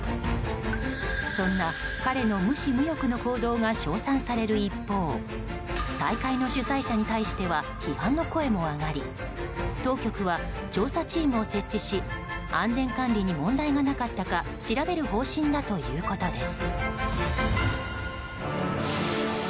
そんな彼の無私無欲の行動が称賛される一方大会の主催者に対しては批判の声も上がり当局は調査チームを設置し安全管理に問題がなかったか調べる方針だということです。